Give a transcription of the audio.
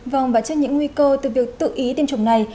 vâng và trước những nguy cơ từ việc tự ý tiêm chủng này